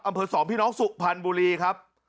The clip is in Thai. อำเภอสองพี่น้องสุภัณฑ์บุรีครับ